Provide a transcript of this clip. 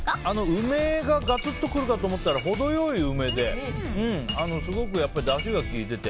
梅がガツッとくるかと思ったら程良い梅ですごくだしが効いていて。